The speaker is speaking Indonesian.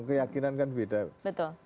keyakinan kan beda betul